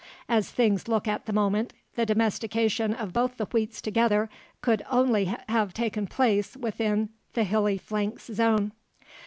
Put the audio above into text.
As things look at the moment, the domestication of both the wheats together could only have taken place within the hilly flanks zone.